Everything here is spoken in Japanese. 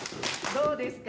どうですか？